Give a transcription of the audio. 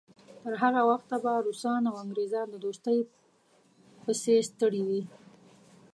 تر هغه وخته به روسان او انګریزان د دوستۍ پسې ستړي وي.